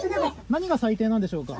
何が最低なんでしょうか。